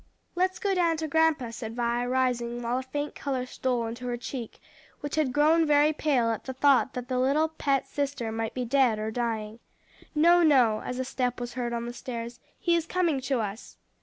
"Let's go down to grandpa," said Vi, rising, while a faint color stole into her cheek, which had grown very pale at the thought that the little pet sister might be dead or dying. "No, no," as a step was heard on the stairs, "he is coming to us."